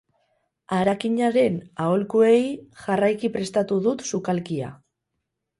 Harakinaren aholkuei jarraiki prestatu dut sukalkia.